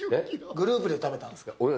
グループで食べたんですか。